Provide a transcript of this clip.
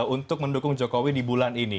untuk mendukung jokowi di bulan ini